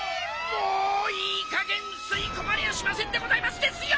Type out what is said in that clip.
もういいかげんすいこまれやしませんでございますですよ！